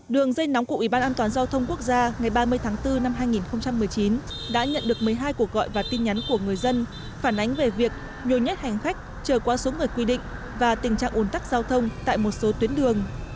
đường dây nóng của ủy ban an toàn giao thông quốc gia ngày ba mươi tháng bốn năm hai nghìn một mươi chín đã nhận được một mươi hai cuộc gọi và tin nhắn của người dân phản ánh về việc nhiều nhất hành khách trở qua số người quy định và tình trạng ồn tắc giao thông tại một số tuyến đường